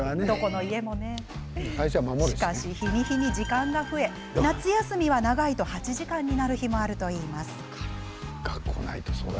しかし、日に日に時間が増え夏休みには、長いと８時間になる日もあるといいます。